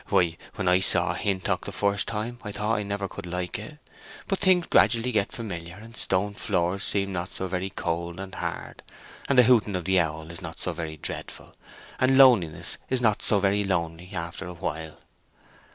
Why, when I saw Hintock the first time I thought I never could like it. But things gradually get familiar, and stone floors seem not so very cold and hard, and the hooting of the owls not so very dreadful, and loneliness not so very lonely, after a while."